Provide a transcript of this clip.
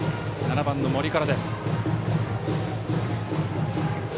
７番の森からです。